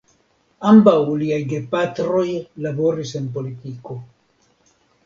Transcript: Ambaŭ liaj gepatroj laboris en politiko.